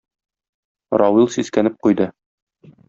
Равил сискәнеп куйды.